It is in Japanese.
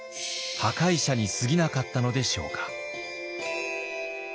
破壊者にすぎなかったのでしょうか？